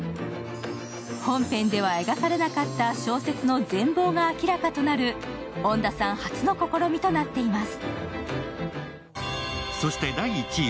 本編では描かれなかった小説の全貌が明らかとなる恩田さん初の試みとなっています。